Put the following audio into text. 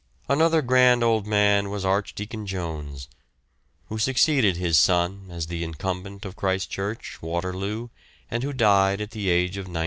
Another grand old man was Archdeacon Jones, who succeeded his son as the Incumbent of Christ Church, Waterloo, and who died at the age of 96.